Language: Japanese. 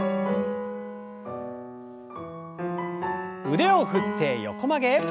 腕を振って横曲げ。